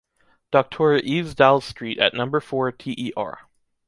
Docteur Yves Dalle Street at number four TER.